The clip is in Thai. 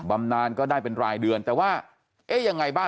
บำนานก็ได้เป็นรายเดือนแต่ว่าเอ๊ะยังไงบ้าง